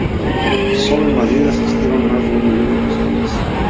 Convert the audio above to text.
Sólo en Madrid asistieron más de un millón de personas.